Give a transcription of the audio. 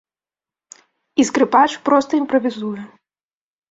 І скрыпач проста імправізуе.